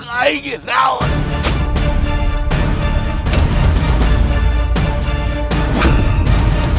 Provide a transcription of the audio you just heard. rai ini dia